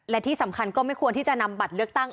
และที่สำคัญก็ไม่ควรที่จะนำบัตรเลือกตั้ง